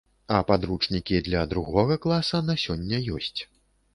А падручнікі для другога класа на сёння ёсць.